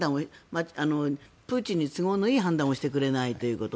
プーチンに都合のいい判断をしてくれないということ。